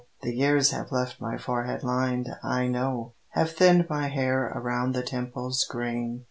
The years have left my forehead lined, I know, Have thinned my hair around the temples graying.